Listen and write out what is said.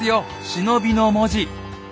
「忍」の文字！